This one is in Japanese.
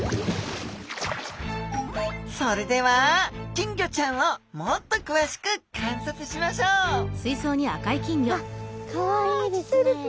それでは金魚ちゃんをもっと詳しく観察しましょうあっかわいいですね。